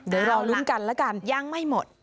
เดี๋ยวรอลุ้นกันแล้วกันยังไม่หมด